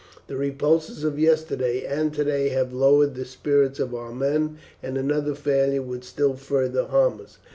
The repulses of yesterday and today have lowered the spirits of our men, and another failure would still further harm us."